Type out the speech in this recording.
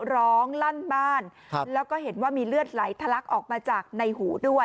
ลั่นบ้านแล้วก็เห็นว่ามีเลือดไหลทะลักออกมาจากในหูด้วย